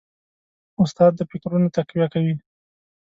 استاد د فکرونو تقویه کوي.